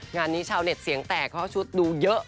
งานนี้ชาวเน็ตเสียงแตกเขาชุดดูเยอะ